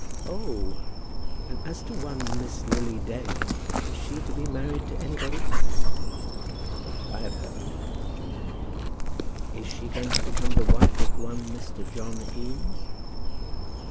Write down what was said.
"Oh! And as to one Miss Lily Dale, is she to be married to anybody?" "Not that I have heard of," said Johnny. "She is not going to become the wife of one Mr. John Eames?"